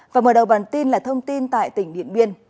và mở đầu bản tin là thông tin tại tỉnh điện biên